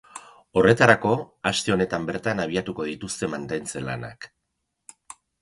Horretarako, aste honetan bertan abiatuko dituzte mantentze lanak.